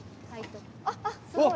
ああすごい！